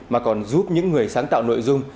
mà còn giúp những người sáng tạo nội dung